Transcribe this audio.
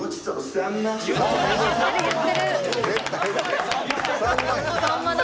「さんま」だ。